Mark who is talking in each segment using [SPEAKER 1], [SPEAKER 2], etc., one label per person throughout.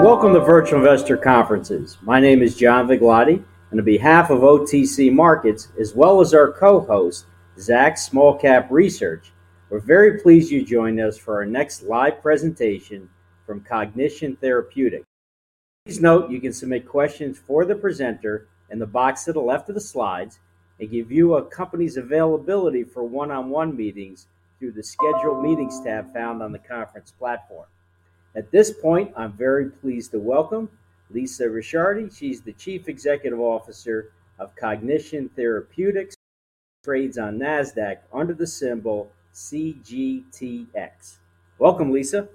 [SPEAKER 1] Welcome to Virtual Investor Conferences. My name is John Vigliotti, and on behalf of OTC Markets, as well as our co-host, Zacks Small-Cap Research, we're very pleased you joined us for our next live presentation from Cognition Therapeutics. Please note you can submit questions for the presenter in the box to the left of the slides and give view of companies' availability for one-on-one meetings through the Schedule Meetings tab found on the conference platform. At this point, I'm very pleased to welcome Lisa Ricciardi. She's the Chief Executive Officer of Cognition Therapeutics, trades on NASDAQ under the symbol CGTX. Welcome, Lisa.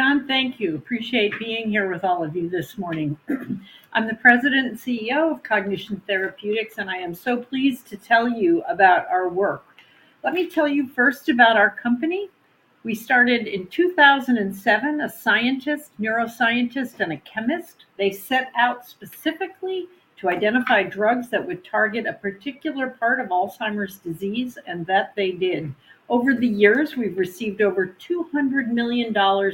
[SPEAKER 2] John, thank you. Appreciate being here with all of you this morning. I'm the President and CEO of Cognition Therapeutics, and I am so pleased to tell you about our work. Let me tell you first about our company. We started in 2007 as scientists, neuroscientists, and a chemist. They set out specifically to identify drugs that would target a particular part of Alzheimer's disease, and that they did. Over the years, we've received over $200 million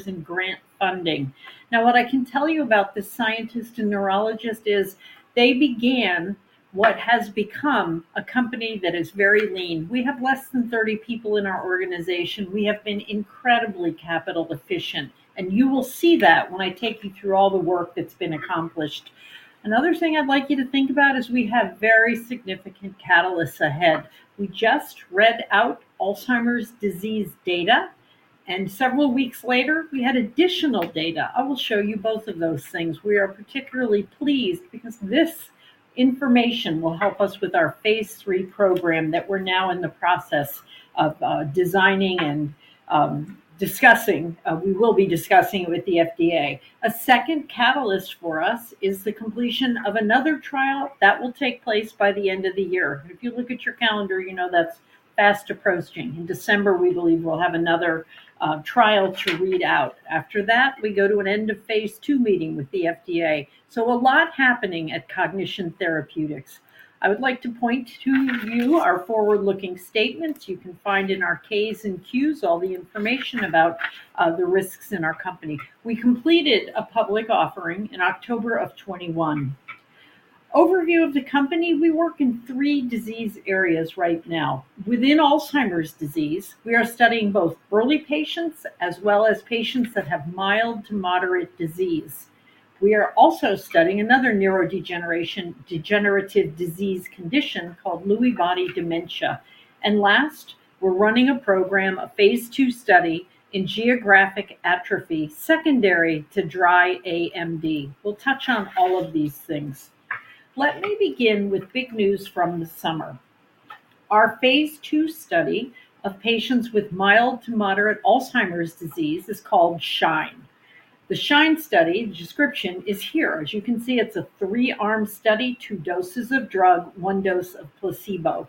[SPEAKER 2] in grant funding. Now, what I can tell you about the scientists and neurologists is they began what has become a company that is very lean. We have less than 30 people in our organization. We have been incredibly capital efficient, and you will see that when I take you through all the work that's been accomplished. Another thing I'd like you to think about is we have very significant catalysts ahead. We just read out Alzheimer's disease data, and several weeks later, we had additional data. I will show you both of those things. We are particularly pleased because this information will help us with our phase III program that we're now in the process of designing and discussing. We will be discussing it with the FDA. A second catalyst for us is the completion of another trial that will take place by the end of the year. If you look at your calendar, you know that's fast approaching. In December, we believe we'll have another trial to read out. After that, we go to an end of phase II meeting with the FDA. So, a lot happening at Cognition Therapeutics. I would like to point to you our forward-looking statements. You can find in our Ks and Qs all the information about the risks in our company. We completed a public offering in October 2021. Overview of the company: We work in three disease areas right now. Within Alzheimer's disease, we are studying both early patients as well as patients that have mild to moderate disease. We are also studying another neurodegenerative disease condition called Lewy body dementia. And last, we're running a program, a phase II study in geographic atrophy secondary to dry AMD. We'll touch on all of these things. Let me begin with big news from the summer. Our phase II study of patients with mild to moderate Alzheimer's disease is called SHINE. The SHINE study description is here. As you can see, it's a three-arm study: two doses of drug, one dose of placebo.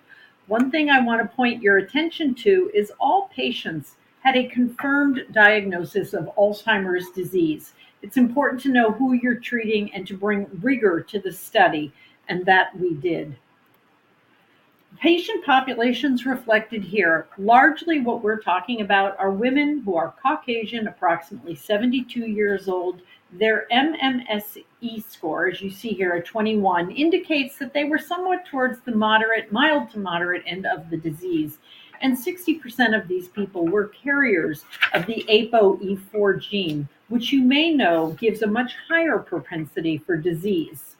[SPEAKER 2] One thing I want to point your attention to is all patients had a confirmed diagnosis of Alzheimer's disease. It's important to know who you're treating and to bring rigor to the study, and that we did. Patient populations reflected here. Largely, what we're talking about are women who are Caucasian, approximately 72 years old. Their MMSE score, as you see here at 21, indicates that they were somewhat towards the moderate, mild to moderate end of the disease, and 60% of these people were carriers of the APOE4 gene, which you may know gives a much higher propensity for disease.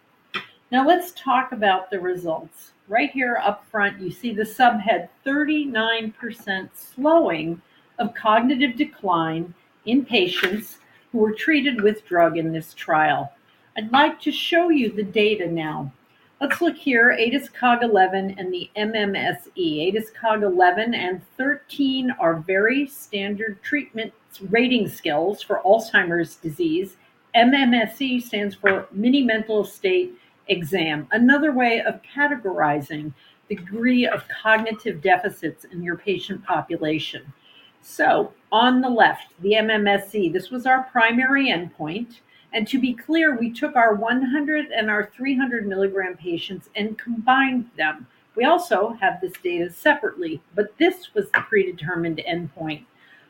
[SPEAKER 2] Now, let's talk about the results. Right here up front, you see the subhead: 39% slowing of cognitive decline in patients who were treated with drug in this trial. I'd like to show you the data now. Let's look here: ADAS-Cog-11 and the MMSE. ADAS-Cog-11 and 13 are very standard treatment rating scales for Alzheimer's disease. MMSE stands for Mini-Mental State Examination, another way of categorizing the degree of cognitive deficits in your patient population. So, on the left, the MMSE. This was our primary endpoint. And to be clear, we took our 100 and our 300 milligram patients and combined them. We also have this data separately, but this was the predetermined endpoint.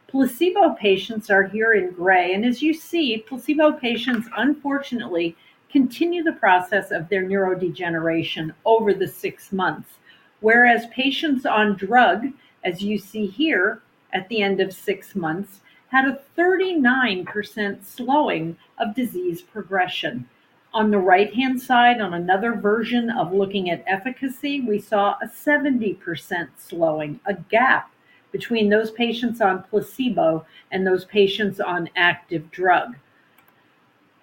[SPEAKER 2] Placebo patients are here in gray. And as you see, placebo patients unfortunately continue the process of their neurodegeneration over the six months, whereas patients on drug, as you see here at the end of six months, had a 39% slowing of disease progression. On the right-hand side, on another version of looking at efficacy, we saw a 70% slowing, a gap between those patients on placebo and those patients on active drug.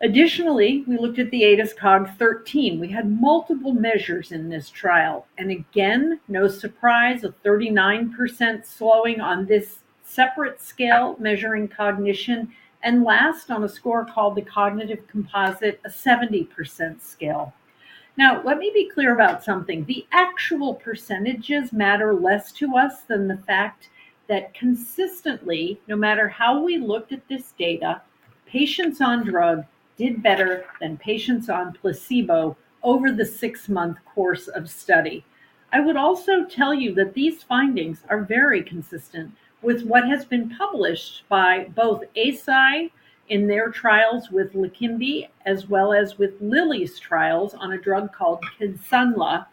[SPEAKER 2] Additionally, we looked at the ADAS-Cog-13. We had multiple measures in this trial. And again, no surprise, a 39% slowing on this separate scale measuring cognition, and last on a score called the cognitive composite, a 70% scale. Now, let me be clear about something. The actual percentages matter less to us than the fact that consistently, no matter how we looked at this data, patients on drug did better than patients on placebo over the six-month course of study. I would also tell you that these findings are very consistent with what has been published by both Eisai in their trials with Leqembi, as well as with Lilly's trials on a drug called Kisunla.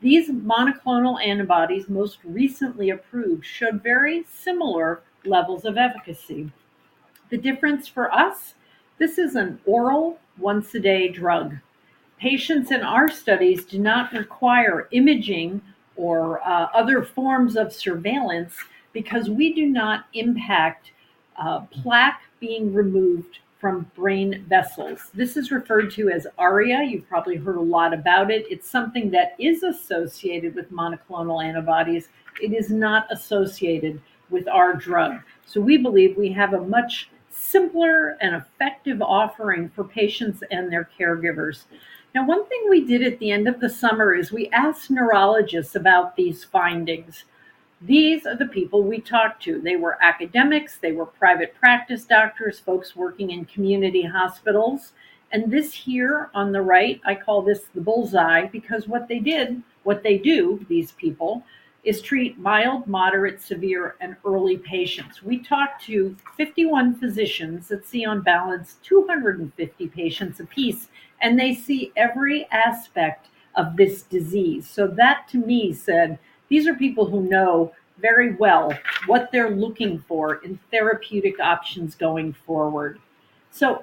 [SPEAKER 2] These monoclonal antibodies most recently approved showed very similar levels of efficacy. The difference for us, this is an oral once-a-day drug. Patients in our studies do not require imaging or other forms of surveillance because we do not impact plaque being removed from brain vessels. This is referred to as ARIA. You've probably heard a lot about it. It's something that is associated with monoclonal antibodies. It is not associated with our drug. So, we believe we have a much simpler and effective offering for patients and their caregivers. Now, one thing we did at the end of the summer is we asked neurologists about these findings. These are the people we talked to. They were academics. They were private practice doctors, folks working in community hospitals. And this here on the right, I call this the bullseye because what they did, what they do, these people, is treat mild, moderate, severe, and early patients. We talked to 51 physicians that see on balance 250 patients apiece, and they see every aspect of this disease. That to me said these are people who know very well what they're looking for in therapeutic options going forward.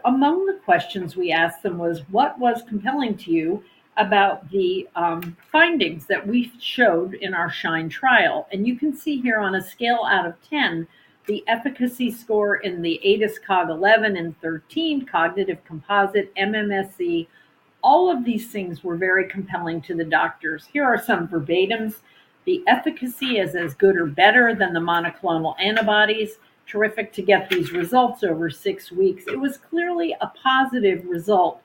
[SPEAKER 2] Among the questions we asked them was, what was compelling to you about the findings that we showed in our SHINE trial? You can see here on a scale out of 10, the efficacy score in the ADAS-Cog-11 and 13, cognitive composite, MMSE, all of these things were very compelling to the doctors. Here are some verbatims. The efficacy is as good or better than the monoclonal antibodies. Terrific to get these results over six weeks. It was clearly a positive result.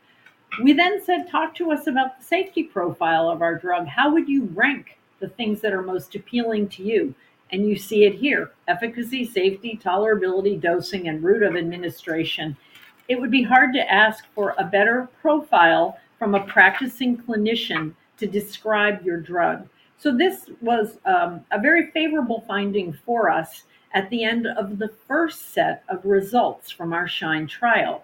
[SPEAKER 2] We then said, talk to us about the safety profile of our drug. How would you rank the things that are most appealing to you? You see it here: efficacy, safety, tolerability, dosing, and route of administration. It would be hard to ask for a better profile from a practicing clinician to describe your drug. So, this was a very favorable finding for us at the end of the first set of results from our SHINE trial.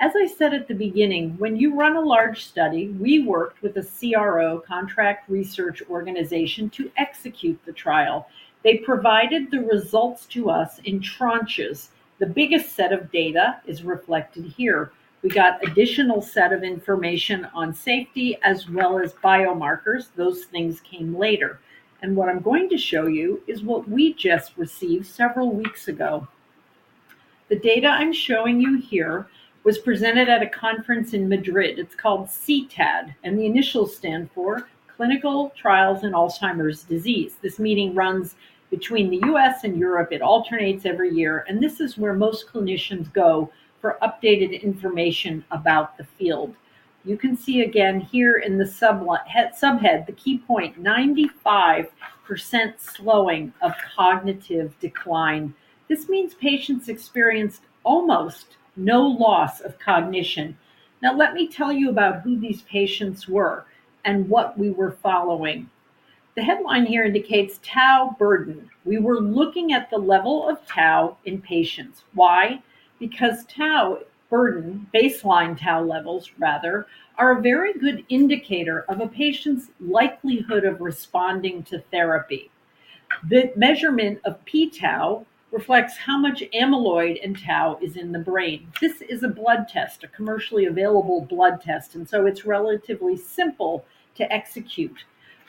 [SPEAKER 2] As I said at the beginning, when you run a large study, we worked with a CRO, contract research organization, to execute the trial. They provided the results to us in tranches. The biggest set of data is reflected here. We got an additional set of information on safety as well as biomarkers. Those things came later. And what I'm going to show you is what we just received several weeks ago. The data I'm showing you here was presented at a conference in Madrid. It's called CTAD, and the initials stand for Clinical Trials in Alzheimer's Disease. This meeting runs between the U.S. and Europe. It alternates every year. This is where most clinicians go for updated information about the field. You can see again here in the subhead, the key point: 95% slowing of cognitive decline. This means patients experienced almost no loss of cognition. Now, let me tell you about who these patients were and what we were following. The headline here indicates tau burden. We were looking at the level of tau in patients. Why? Because tau burden, baseline tau levels rather, are a very good indicator of a patient's likelihood of responding to therapy. The measurement of p-tau reflects how much amyloid and tau is in the brain. This is a blood test, a commercially available blood test, and so it's relatively simple to execute.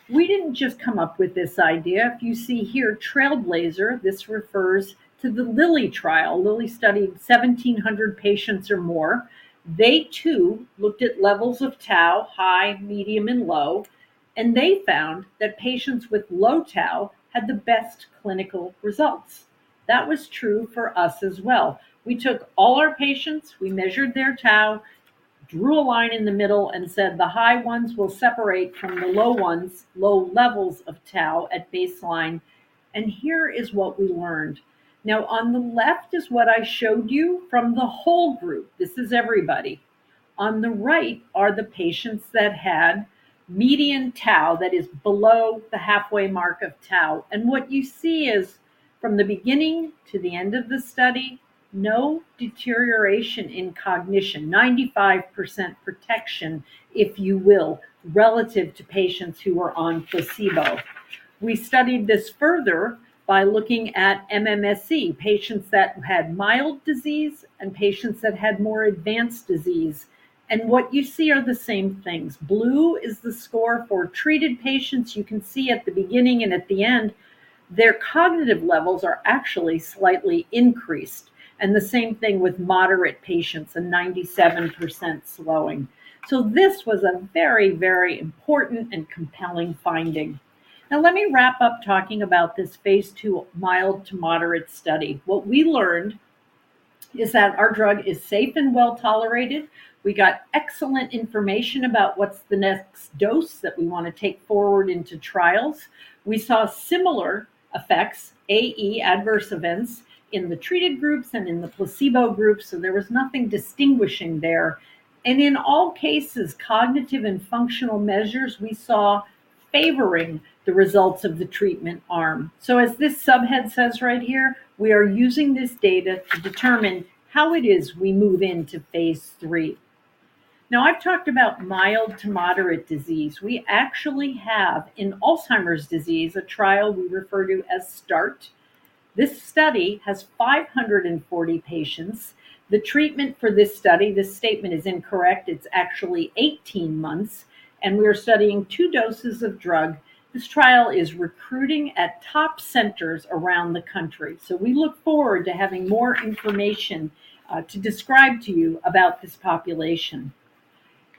[SPEAKER 2] We didn't just come up with this idea. If you see here, TRAILBLAZER, this refers to the Lilly trial. Lilly studied 1,700 patients or more. They too looked at levels of tau: high, medium, and low. And they found that patients with low tau had the best clinical results. That was true for us as well. We took all our patients, we measured their tau, drew a line in the middle, and said the high ones will separate from the low ones, low levels of tau at baseline. And here is what we learned. Now, on the left is what I showed you from the whole group. This is everybody. On the right are the patients that had median tau, that is below the halfway mark of tau. And what you see is from the beginning to the end of the study, no deterioration in cognition, 95% protection, if you will, relative to patients who were on placebo. We studied this further by looking at MMSE, patients that had mild disease and patients that had more advanced disease, and what you see are the same things. Blue is the score for treated patients. You can see at the beginning and at the end, their cognitive levels are actually slightly increased, and the same thing with moderate patients, a 97% slowing, so this was a very, very important and compelling finding. Now, let me wrap up talking about this phase two mild-to-moderate study. What we learned is that our drug is safe and well tolerated. We got excellent information about what's the next dose that we want to take forward into trials. We saw similar effects, AE, adverse events in the treated groups and in the placebo groups, so there was nothing distinguishing there. In all cases, cognitive and functional measures, we saw favoring the results of the treatment arm. As this subhead says right here, we are using this data to determine how it is we move into phase III. Now, I've talked about mild to moderate disease. We actually have in Alzheimer's disease a trial we refer to as START. This study has 540 patients. The treatment for this study, this statement is incorrect. It's actually 18 months. And we are studying two doses of drug. This trial is recruiting at top centers around the country. We look forward to having more information to describe to you about this population.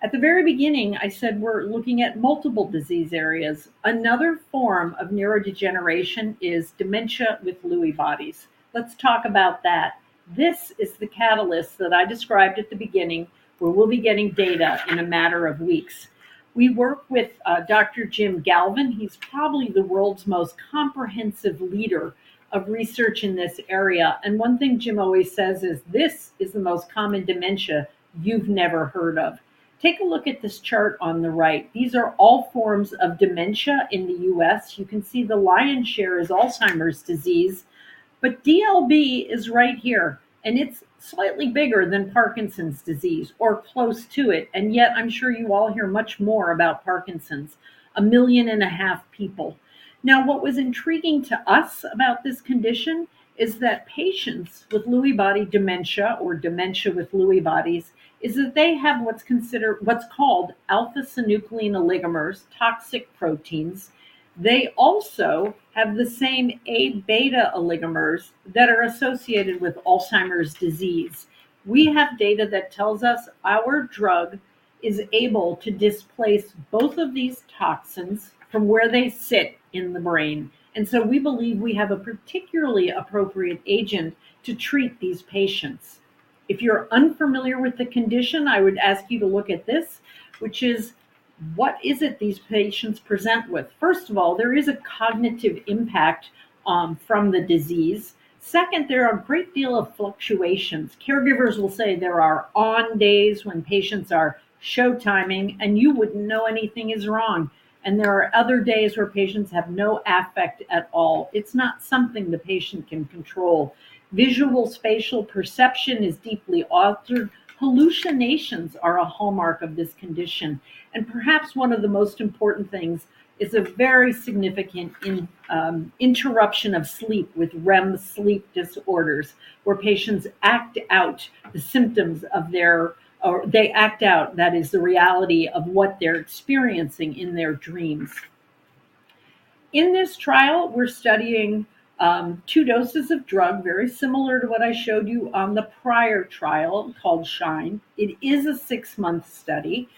[SPEAKER 2] At the very beginning, I said we're looking at multiple disease areas. Another form of neurodegeneration is dementia with Lewy bodies. Let's talk about that. This is the catalyst that I described at the beginning where we'll be getting data in a matter of weeks. We work with Dr. Jim Galvin. He's probably the world's most comprehensive leader of research in this area. And one thing Jim always says is, this is the most common dementia you've never heard of. Take a look at this chart on the right. These are all forms of dementia in the U.S. You can see the lion's share is Alzheimer's disease. But DLB is right here. And it's slightly bigger than Parkinson's disease or close to it. And yet, I'm sure you all hear much more about Parkinson's, 1.5 million people. Now, what was intriguing to us about this condition is that patients with Lewy body dementia or dementia with Lewy bodies is that they have what's called alpha-synuclein oligomers, toxic proteins. They also have the same A beta oligomers that are associated with Alzheimer's disease. We have data that tells us our drug is able to displace both of these toxins from where they sit in the brain. And so, we believe we have a particularly appropriate agent to treat these patients. If you're unfamiliar with the condition, I would ask you to look at this, which is, what is it these patients present with? First of all, there is a cognitive impact from the disease. Second, there are a great deal of fluctuations. Caregivers will say there are on days when patients are showtiming, and you wouldn't know anything is wrong. And there are other days where patients have no affect at all. It's not something the patient can control. Visual spatial perception is deeply altered. Hallucinations are a hallmark of this condition. Perhaps one of the most important things is a very significant interruption of sleep with REM sleep disorders, where patients act out the symptoms of their, or they act out, that is, the reality of what they're experiencing in their dreams. In this trial, we're studying two doses of drug, very similar to what I showed you on the prior trial called SHINE. It is a six-month study.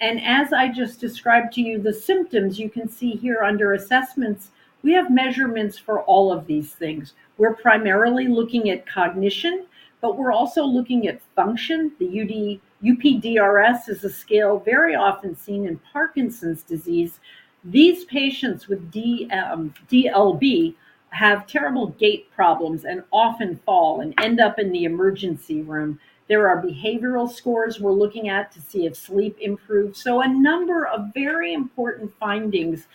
[SPEAKER 2] As I just described to you, the symptoms you can see here under assessments, we have measurements for all of these things. We're primarily looking at cognition, but we're also looking at function. The UPDRS is a scale very often seen in Parkinson's disease. These patients with DLB have terrible gait problems and often fall and end up in the emergency room. There are behavioral scores we're looking at to see if sleep improves. A number of very important findings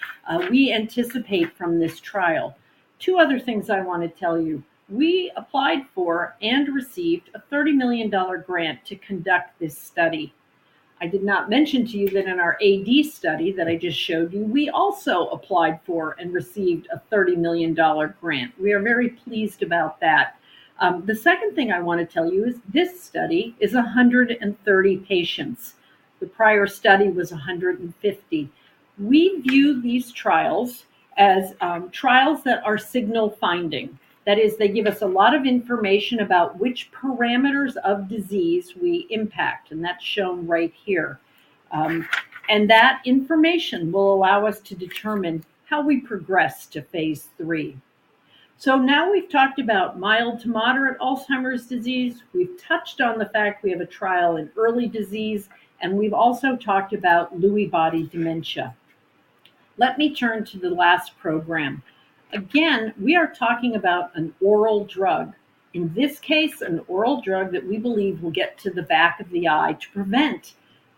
[SPEAKER 2] we anticipate from this trial. Two other things I want to tell you. We applied for and received a $30 million grant to conduct this study. I did not mention to you that in our AD study that I just showed you, we also applied for and received a $30 million grant. We are very pleased about that. The second thing I want to tell you is this study is 130 patients. The prior study was 150. We view these trials as trials that are signal finding. That is, they give us a lot of information about which parameters of disease we impact. And that's shown right here. And that information will allow us to determine how we progress to phase III. Now we've talked about mild to moderate Alzheimer's disease. We've touched on the fact we have a trial in early disease, and we've also talked about Lewy body dementia. Let me turn to the last program. Again, we are talking about an oral drug. In this case, an oral drug that we believe will get to the back of the eye to prevent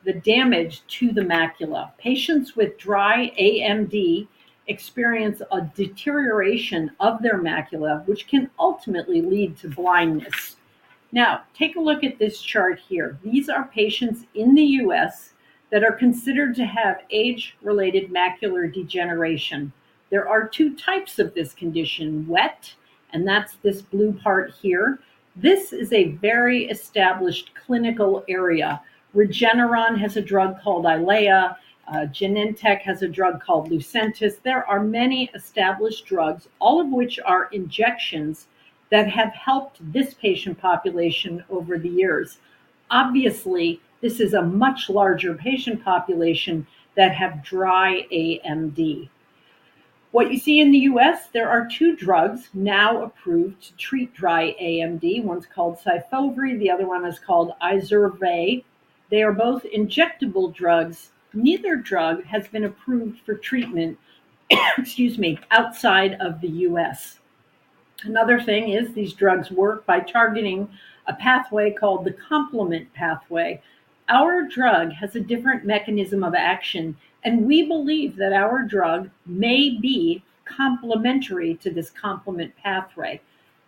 [SPEAKER 2] the damage to the macula. Patients with dry AMD experience a deterioration of their macula, which can ultimately lead to blindness. Now, take a look at this chart here. These are patients in the U.S. that are considered to have age-related macular degeneration. There are two types of this condition, wet, and that's this blue part here. This is a very established clinical area. Regeneron has a drug called Eylea. Genentech has a drug called Lucentis. There are many established drugs, all of which are injections that have helped this patient population over the years. Obviously, this is a much larger patient population that have dry AMD. What you see in the U.S., there are two drugs now approved to treat dry AMD. One's called Syfovre. The other one is called Izervae. They are both injectable drugs. Neither drug has been approved for treatment, excuse me, outside of the U.S. Another thing is these drugs work by targeting a pathway called the complement pathway. Our drug has a different mechanism of action, and we believe that our drug may be complementary to this complement pathway.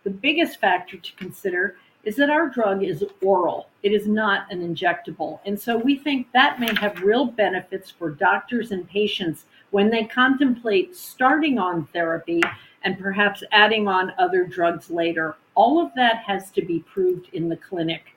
[SPEAKER 2] The biggest factor to consider is that our drug is oral. It is not an injectable, and so, we think that may have real benefits for doctors and patients when they contemplate starting on therapy and perhaps adding on other drugs later. All of that has to be proved in the clinic.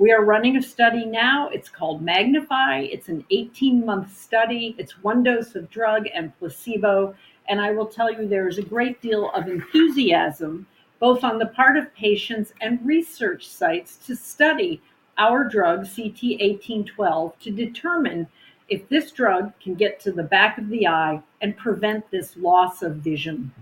[SPEAKER 2] We are running a study now. It's called MAGNIFY. It's an 18-month study. It's one dose of drug and placebo. And I will tell you, there is a great deal of enthusiasm, both on the part of patients and research sites to study our drug, CT1812, to determine if this drug can get to the back of the eye and prevent this loss of vision.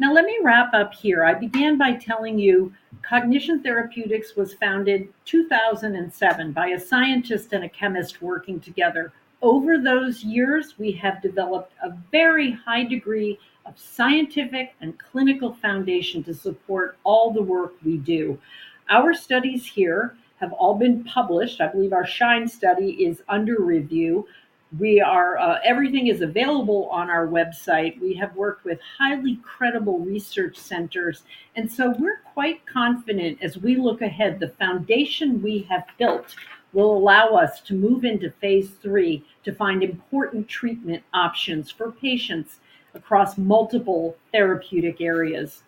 [SPEAKER 2] Now, let me wrap up here. I began by telling you Cognition Therapeutics was founded in 2007 by a scientist and a chemist working together. Over those years, we have developed a very high degree of scientific and clinical foundation to support all the work we do. Our studies here have all been published. I believe our SHINE study is under review. Everything is available on our website. We have worked with highly credible research centers. And so, we're quite confident as we look ahead, the foundation we have built will allow us to move into phase three to find important treatment options for patients across multiple therapeutic areas.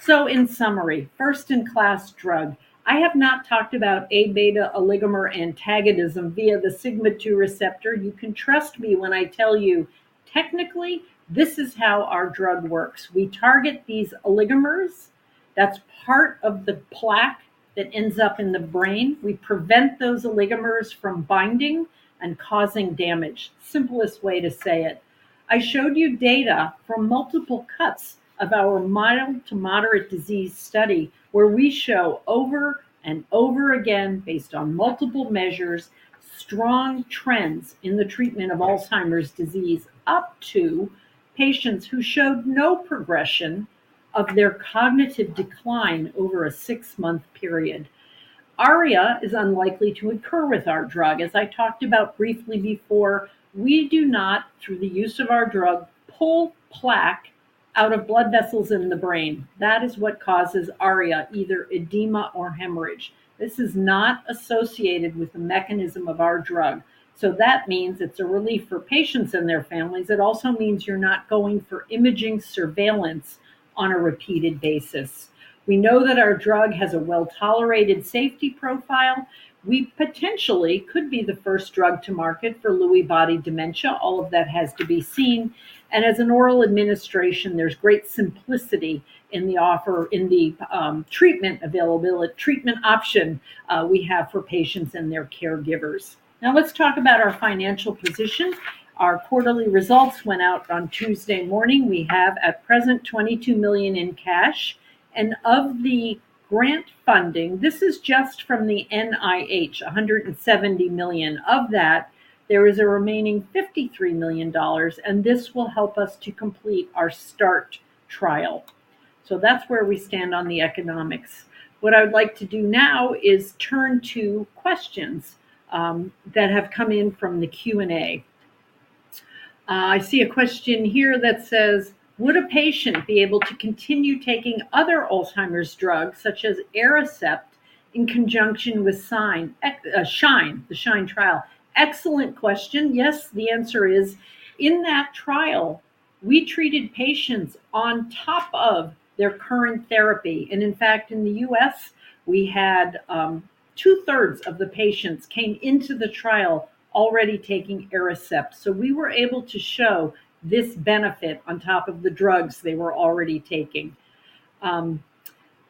[SPEAKER 2] So, in summary, first-in-class drug. I have not talked about A beta oligomer antagonism via the sigma-2 receptor. You can trust me when I tell you, technically, this is how our drug works. We target these oligomers. That's part of the plaque that ends up in the brain. We prevent those oligomers from binding and causing damage, simplest way to say it. I showed you data from multiple cuts of our mild to moderate disease study where we show over and over again, based on multiple measures, strong trends in the treatment of Alzheimer's disease up to patients who showed no progression of their cognitive decline over a six-month period. ARIA is unlikely to occur with our drug. As I talked about briefly before, we do not, through the use of our drug, pull plaque out of blood vessels in the brain. That is what causes ARIA, either edema or hemorrhage. This is not associated with the mechanism of our drug. So, that means it's a relief for patients and their families. It also means you're not going for imaging surveillance on a repeated basis. We know that our drug has a well-tolerated safety profile. We potentially could be the first drug to market for Lewy body dementia. All of that has to be seen, and as an oral administration, there's great simplicity in the offer in the treatment option we have for patients and their caregivers. Now, let's talk about our financial position. Our quarterly results went out on Tuesday morning. We have, at present, $22 million in cash. Of the grant funding, this is just from the NIH, $170 million. Of that, there is a remaining $53 million. And this will help us to complete our START trial. So, that's where we stand on the economics. What I would like to do now is turn to questions that have come in from the Q&A. I see a question here that says, would a patient be able to continue taking other Alzheimer's drugs, such as Aricept, in conjunction with SHINE, the SHINE trial? Excellent question. Yes, the answer is, in that trial, we treated patients on top of their current therapy. And in fact, in the US, we had two-thirds of the patients came into the trial already taking Aricept. So, we were able to show this benefit on top of the drugs they were already taking.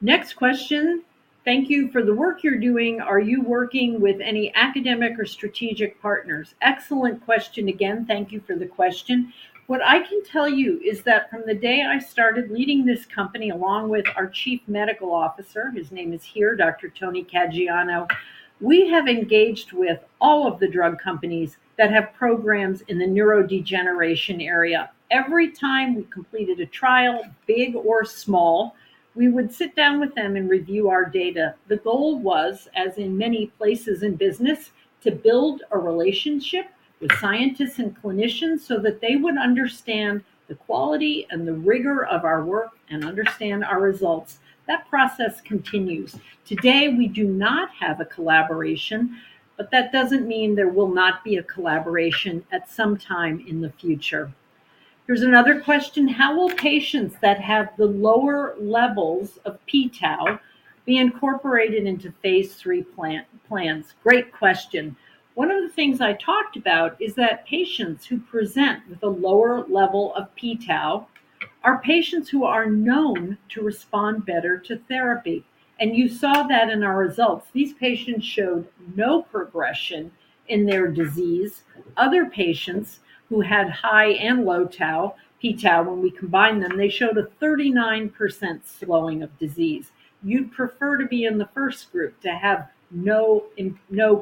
[SPEAKER 2] Next question. Thank you for the work you're doing. Are you working with any academic or strategic partners? Excellent question again. Thank you for the question. What I can tell you is that from the day I started leading this company along with our Chief Medical Officer, his name is here, Dr. Tony Caggiano, we have engaged with all of the drug companies that have programs in the neurodegeneration area. Every time we completed a trial, big or small, we would sit down with them and review our data. The goal was, as in many places in business, to build a relationship with scientists and clinicians so that they would understand the quality and the rigor of our work and understand our results. That process continues. Today, we do not have a collaboration. But that doesn't mean there will not be a collaboration at some time in the future. Here's another question. How will patients that have the lower levels of p-Tau be incorporated into phase 3 plans? Great question. One of the things I talked about is that patients who present with a lower level of p-Tau are patients who are known to respond better to therapy. And you saw that in our results. These patients showed no progression in their disease. Other patients who had high and low p-Tau, when we combined them, they showed a 39% slowing of disease. You'd prefer to be in the first group to have no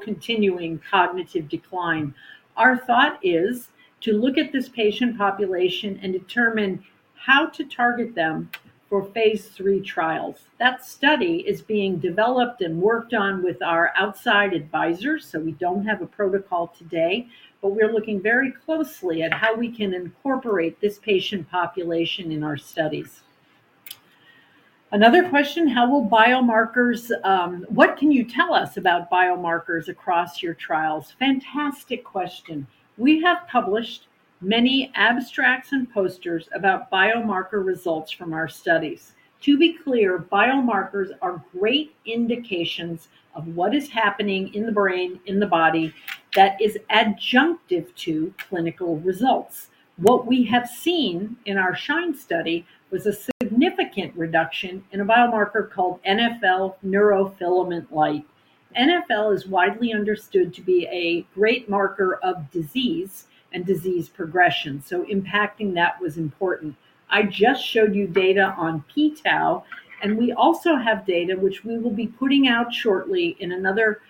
[SPEAKER 2] continuing cognitive decline. Our thought is to look at this patient population and determine how to target them for phase III trials. That study is being developed and worked on with our outside advisors. So, we don't have a protocol today. But we're looking very closely at how we can incorporate this patient population in our studies. Another question. How about biomarkers? What can you tell us about biomarkers across your trials? Fantastic question. We have published many abstracts and posters about biomarker results from our studies. To be clear, biomarkers are great indications of what is happening in the brain, in the body, that is adjunctive to clinical results. What we have seen in our SHINE study was a significant reduction in a biomarker called NfL, neurofilament light. NfL is widely understood to be a great marker of disease and disease progression. So, impacting that was important. I just showed you data on p-Tau, and we also have data, which we will be putting out shortly in another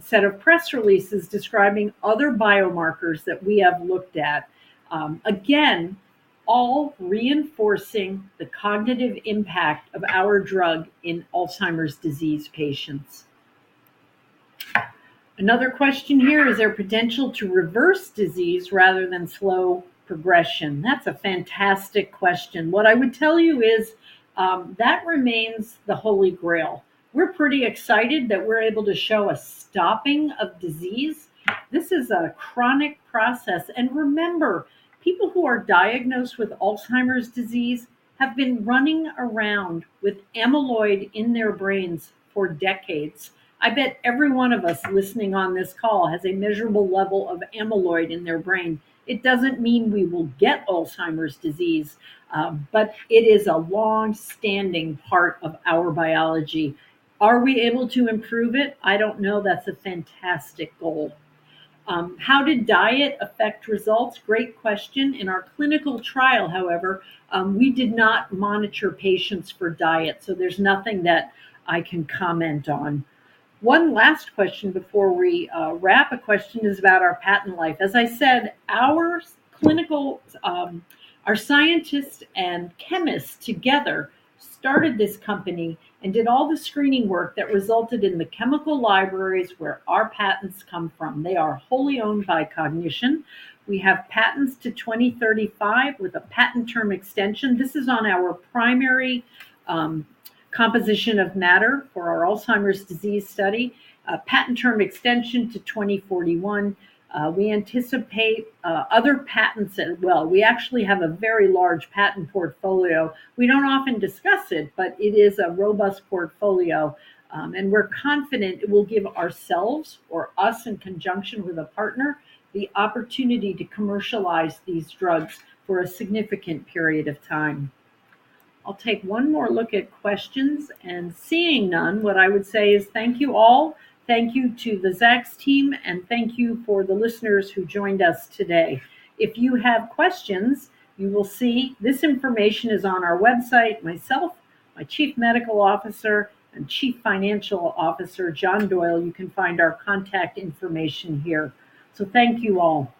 [SPEAKER 2] set of press releases describing other biomarkers that we have looked at. Again, all reinforcing the cognitive impact of our drug in Alzheimer's disease patients. Another question here. Is there potential to reverse disease rather than slow progression? That's a fantastic question. What I would tell you is that remains the holy grail. We're pretty excited that we're able to show a stopping of disease. This is a chronic process. And remember, people who are diagnosed with Alzheimer's disease have been running around with amyloid in their brains for decades. I bet every one of us listening on this call has a measurable level of amyloid in their brain. It doesn't mean we will get Alzheimer's disease. But it is a long-standing part of our biology. Are we able to improve it? I don't know. That's a fantastic goal. How did diet affect results? Great question. In our clinical trial, however, we did not monitor patients for diet. So, there's nothing that I can comment on. One last question before we wrap. A question is about our patent life. As I said, our scientists and chemists together started this company and did all the screening work that resulted in the chemical libraries where our patents come from. They are wholly owned by Cognition. We have patents to 2035 with a patent term extension. This is on our primary composition of matter for our Alzheimer's disease study. Patent term extension to 2041. We anticipate other patents. We actually have a very large patent portfolio. We don't often discuss it, but it is a robust portfolio, and we're confident it will give ourselves, or us in conjunction with a partner, the opportunity to commercialize these drugs for a significant period of time. I'll take one more look at questions, and seeing none, what I would say is thank you all. Thank you to the Zacks team, and thank you for the listeners who joined us today. If you have questions, you will see this information is on our website. Myself, my Chief Medical Officer, and Chief Financial Officer, John Doyle. You can find our contact information here. Thank you all.